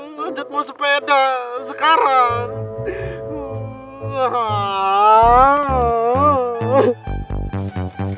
nggh ajatmu sepeda sekarang